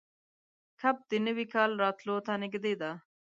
کب د نوي کال راتلو ته نږدې ده.